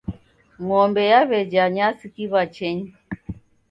Ng'ombe yaw'ejha nyasi kiw'achenyi.